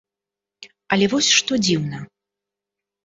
Але вось што дзіўна!